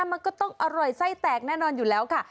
มันก็ต้องอร่อยไส้แตกแน่นอนอยู่แล้วค่ะ